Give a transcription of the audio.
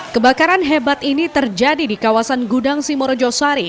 kebakaran hebat ini terjadi di kawasan gudang simorojosari